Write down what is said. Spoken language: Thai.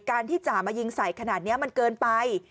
การที่จ่ามายิงใส่ขนาดนี้มันเกินไป